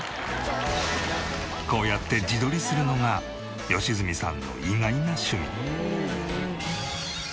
こうやって自撮りするのが良純さんの意外な趣味。